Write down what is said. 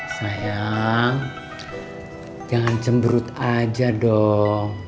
sayang jangan cemberut aja dong